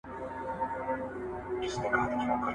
دولتي پوهنتون په ناسمه توګه نه رهبري کیږي.